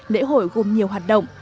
lễ hội gồm nhiều hoạt động